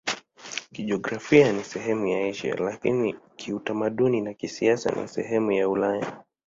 Kijiografia ni sehemu ya Asia, lakini kiutamaduni na kisiasa ni sehemu ya Ulaya.